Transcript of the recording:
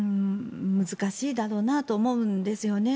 難しいだろうなと思うんですよね。